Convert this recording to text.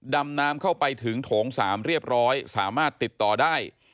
ดำน้ำเข้าไปถึงโถง๓เรียบร้อยสามารถติดต่อได้